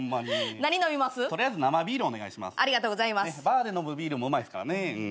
バーで飲むビールもうまいっすからね。